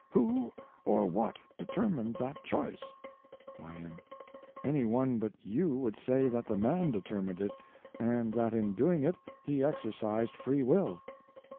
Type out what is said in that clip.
Who or what determined that choice? Y.M. Any one but you would say that the man determined it, and that in doing it he exercised Free Will.